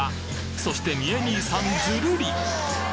そして三重兄さんズルリ